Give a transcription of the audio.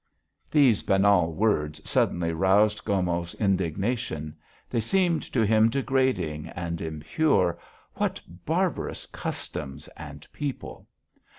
These banal words suddenly roused Gomov's indignation. They seemed to him degrading and impure. What barbarous customs and people!